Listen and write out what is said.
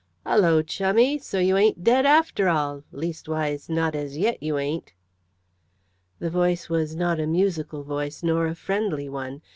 "Hullo, chummie, so you ain't dead, after all? leastways, not as yet you ain't." The voice was not a musical voice, nor a friendly one.